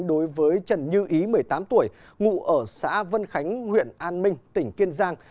đối với trần như ý một mươi tám tuổi ngụ ở xã vân khánh huyện an minh tỉnh kiên giang